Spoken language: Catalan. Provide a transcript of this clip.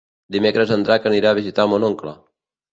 Dimecres en Drac anirà a visitar mon oncle.